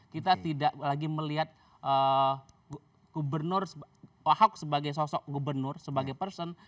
kita tidak lagi melihat gubernur ahok sebagai sosok gubernur sebagai person